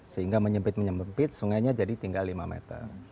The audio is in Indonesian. sehingga menyempit menyempit sungainya jadi tinggal lima meter